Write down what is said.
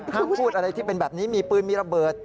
ถ้าพูดอะไรที่เป็นแบบนี้มีปืนมีระเบิด